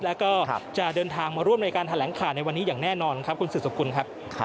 แล้วก็จะเดินทางมาร่วมในการแถลงข่าวในวันนี้อย่างแน่นอนครับคุณสืบสกุลครับ